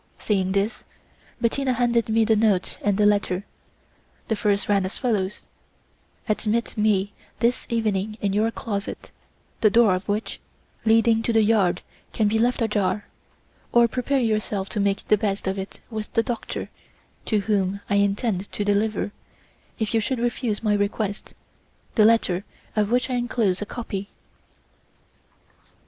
Saying this, Bettina handed me the note and the letter; the first ran as follows: "Admit me this evening in your closet, the door of which, leading to the yard, can be left ajar, or prepare yourself to make the best of it with the doctor, to whom I intend to deliver, if you should refuse my request, the letter of which I enclose a copy."